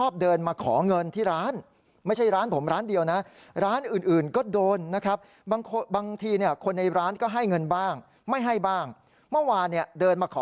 พี่ชายในร้านให้เงิน